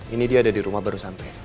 ini dia ada di rumah baru sampai